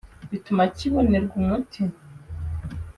bituma kibonerwa umuti